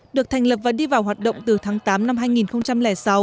được thành lập và đi vào hoạt động từ tháng tám năm hai nghìn sáu